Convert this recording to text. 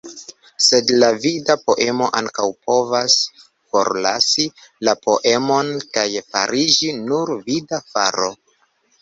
Sed la vida poemo ankaŭ povas forlasi la poemon kaj fariĝi nur vida faro.